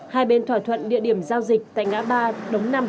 hai bên thỏa thuận địa điểm giao dịch tại ngã ba đống năm